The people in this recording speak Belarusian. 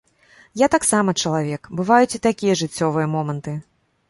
Я таксама чалавек, бываюць і такія жыццёвыя моманты.